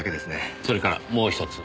それからもうひとつ。